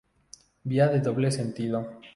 Vía de doble sentido.